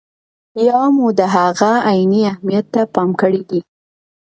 یا مو د هغه عیني اهمیت ته پام کړی دی.